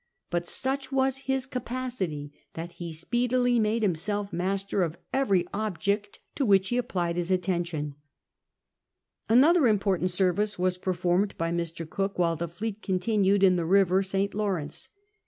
But such was his capacity that he speedily made himself master of every object to which he applied his attention. Anotlier i important service .was perfonned by Mr. Cook while the fleet continued in the river St. Lav'rence.